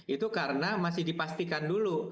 itu karena masih dipastikan dulu